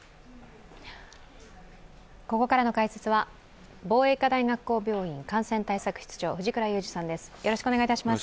ここからの解説は防衛医科大学校病院・感染対策室長、藤倉雄二さんです。